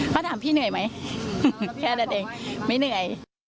เขาถามพี่เหนื่อยไหมแค่นั้นเองไม่เหนื่อย